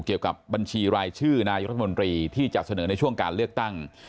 เกี่ยวกับบัญชีรายชื่อนายรัฐมนตรีที่จะเสนอในช่วงการเลือกตั้ง